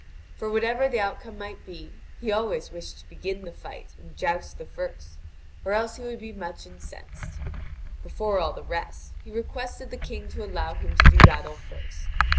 For, whatever the outcome might be, he always wished to begin the fight and joust the first, or else he would be much incensed. Before all the rest, he requested the King to allow him to do battle first.